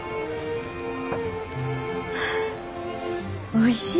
おいしい。